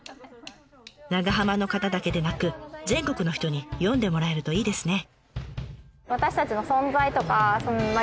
長浜の方だけでなく全国の人に読んでもらえるといいですね。